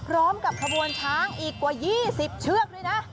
พร้อมกับขบวนช้างอีกกว่า๒๐เชือกด้วยนะ